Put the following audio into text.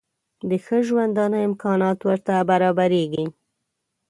د ښه ژوندانه امکانات ورته برابرېږي.